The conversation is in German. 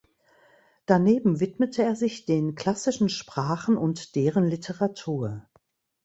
Daneben widmete er sich den klassischen Sprachen und deren Literatur.